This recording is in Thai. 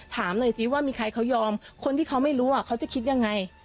ถามหน่อยสิว่ามีใครเขายอมคนที่เขาไม่รู้เขาจะคิดยังไง